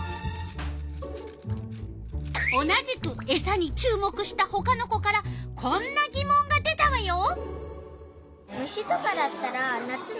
同じくエサに注目したほかの子からこんなぎもんが出たわよ。